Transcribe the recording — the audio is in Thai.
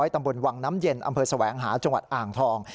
ตำบลวังน้ำเย็นอำเภอแสวงหาจังหวัดอ่างทอง